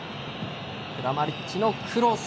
クラマリッチのクロス。